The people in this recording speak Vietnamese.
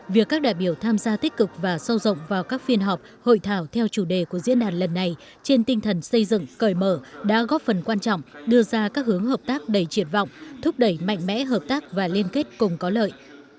việc các đại biểu tham gia tích cực và sâu rộng vào các phiên họp hội thảo theo chủ đề của diễn đàn lần này trên tinh thần xây dựng cởi mở đã góp phần quan trọng đưa ra các hướng hợp tác đầy triệt vọng thúc đẩy mạnh mẽ hợp tác và liên kết cùng có lợi